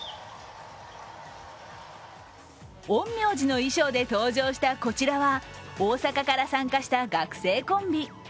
陰陽師の衣装で登場したこちらは大阪から参加した学生コンビ。